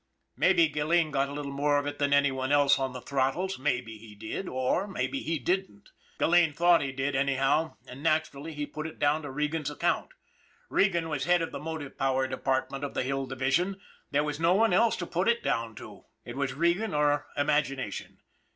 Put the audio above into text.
Maybe Gilleen got a little more of it than any one else on the throttles, maybe he did or maybe he didn't. Gilleen thought he did anyhow, and naturally he put it down to Regan's account. Regan was head of the motive power department of the Hill Division there was no one else to put it down to. It was Regan or imagination.